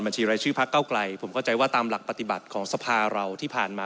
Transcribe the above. รายชื่อพักเก้าไกลผมเข้าใจว่าตามหลักปฏิบัติของสภาเราที่ผ่านมา